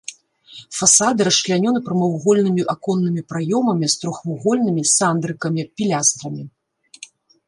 Фасады расчлянёны прамавугольнымі аконнымі праёмамі з трохвугольнымі сандрыкамі, пілястрамі.